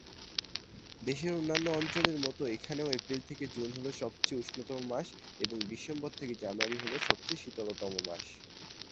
দেশের অন্যান্য অঞ্চলের মত এখানেও এপ্রিল থেকে জুন হল সবচেয়ে উষ্ণতম মাস এবং ডিসেম্বর থেকে জানুয়ারী হল সবচেয়ে শীতলতম মাস।